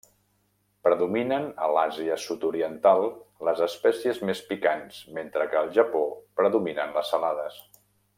Predominen a l'Àsia sud-oriental les espècies més picants mentre que al Japó predominen les salades.